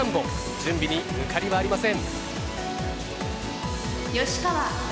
準備に抜かりはありません。